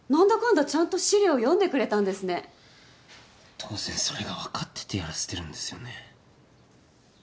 当然それが分かっててやらせてるんですよね。